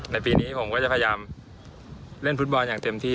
ปีนี้ผมก็จะพยายามเล่นฟุตบอลอย่างเต็มที่